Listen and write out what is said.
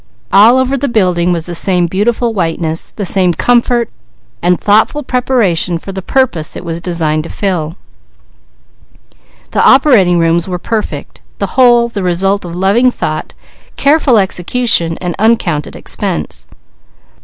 All over the building was the same beautiful whiteness, the same comfort, and thoughtful preparation for the purpose it was designed to fill. The operating rooms were perfect, the whole the result of loving thought, careful execution, and uncounted expense.